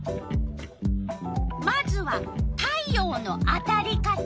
まずは「太陽のあたり方」。